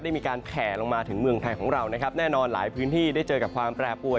มีการแผลลงมาถึงเมืองไทยของเรานะครับแน่นอนหลายพื้นที่ได้เจอกับความแปรปวน